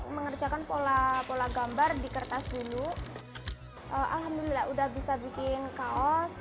mengerjakan pola pola gambar di kertas dulu alhamdulillah udah bisa bikin kaos